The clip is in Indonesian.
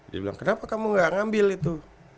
dia bilang kenapa kamu gak ngambil itu